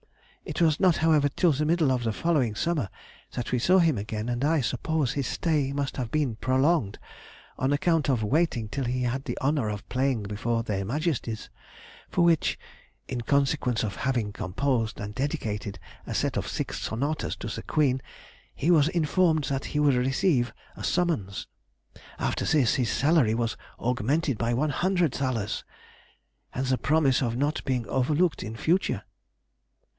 It was not, however, till the middle of the following summer that we saw him again, and I suppose his stay must have been prolonged on account of waiting till he had had the honour of playing before their Majesties, for which (in consequence of having composed and dedicated a set of six sonatas to the Queen) he was informed he would receive a summons.... After this his salary was augmented by 100 thalers," and the promise of not being overlooked in future.